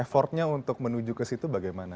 effortnya untuk menuju ke situ bagaimana